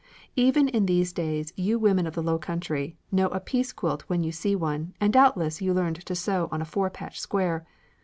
Even in these days, you women of the low country know a piece quilt when you see one, and doubtless you learned to sew on a 'four patch' square.